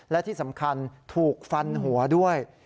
และที่สำคัญถูกฟันหัวด้วย